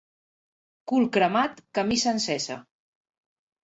Cul cremat, camisa encesa.